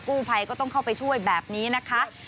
กู้ภัยก็ต้องเข้าไปช่วยแบบนี้นะคะ